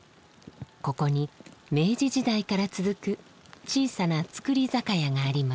ここに明治時代から続く小さな造り酒屋があります。